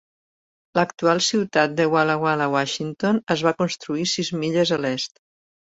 L'actual ciutat de Walla Walla, Washington, es va construir sis milles a l'est.